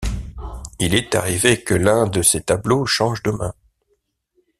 Il est arrivé que l'un de ses tableaux change de mains.